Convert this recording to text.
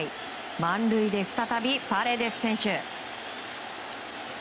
満塁で再び、パレデス選手。